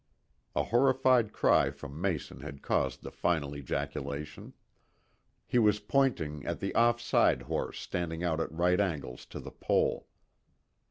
A horrified cry from Mason had caused the final ejaculation. He was pointing at the off side horse standing out at right angles to the pole.